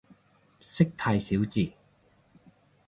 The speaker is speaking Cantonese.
識太少字